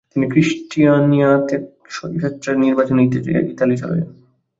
তিনি ক্রিস্টানিয়া ত্যাগ স্বেচ্ছা নির্বাসনে ইতালি চলে যান।